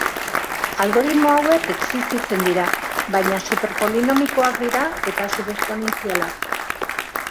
Algoritmo hauek existitzen dira, baina super-polinomikoak dira eta sub-esponentzialak.